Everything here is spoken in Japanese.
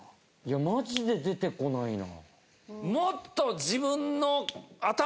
マジで出てこないな。